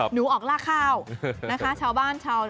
หนูออกล่าข้าวนะคะ